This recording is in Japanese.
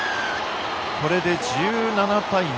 これで１７対７。